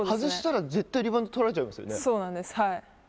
外したら絶対リバウンドを取られちゃいますよね。